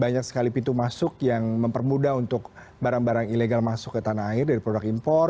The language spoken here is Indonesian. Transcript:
banyak sekali pintu masuk yang mempermudah untuk barang barang ilegal masuk ke tanah air dari produk impor